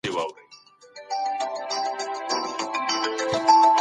که ګټه په پام کې ونه نیول سي څېړنه به سوچه وي.